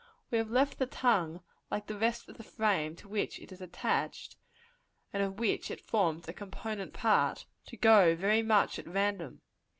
We have left the tongue, like the rest of the frame to which it is attached, and of which it forms a component part, to go very much at random.